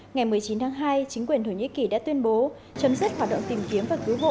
ngày một mươi chín tháng hai chính quyền thổ nhĩ kỳ đã tuyên bố chấm dứt hoạt động tìm kiếm và cứu hộ